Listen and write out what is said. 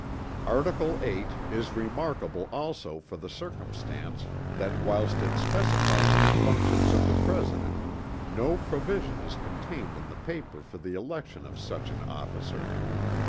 Article VIII "is remarkable also for the circumstance that whilst it specifies the functions of the President, no provision is contained in the paper for the election of such an officer."